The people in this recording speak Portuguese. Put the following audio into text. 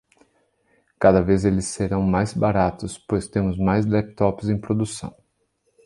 Cada vez eles serão mais baratos, pois temos mais laptops em produção.